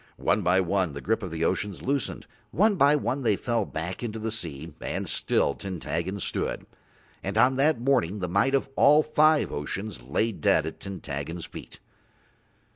One by one the grip of the oceans loosened, one by one they fell back into the deep and still Tintaggon stood, and on that morning the might of all five oceans lay dead at Tintaggon's feet.